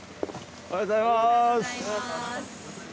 おはようございます。